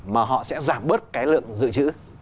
mà họ sẽ giảm bớt lượng dự trữ